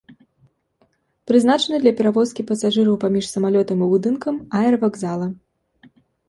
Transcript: Прызначаны для перавозкі пасажыраў паміж самалётам і будынкам аэравакзала.